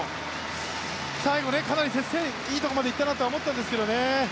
最後、かなりいいところまでいったなとは思ったんですが。